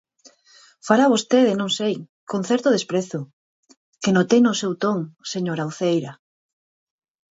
Fala vostede, non sei, con certo desprezo, que notei no seu ton, señora Uceira.